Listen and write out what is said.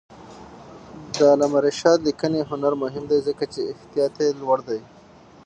د علامه رشاد لیکنی هنر مهم دی ځکه چې احتیاط یې لوړ دی.